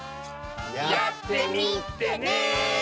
やってみてね！